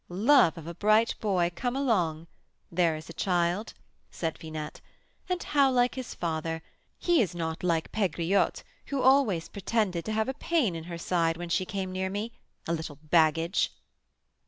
"Love of a bright boy, come along! There is a child!" said Finette. "And how like his father! He is not like Pegriotte, who always pretended to have a pain in her side when she came near me, a little baggage!"